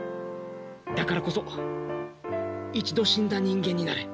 だからこそ一度死んだ人間になれ。